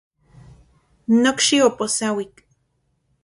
Nokxi oposauik.